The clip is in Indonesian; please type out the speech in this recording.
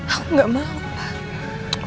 aku gak mau pak